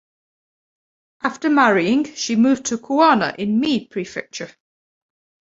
After marrying she moved to Kuwana in Mie Prefecture.